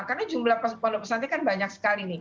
karena jumlah pondok pesantren kan banyak sekali nih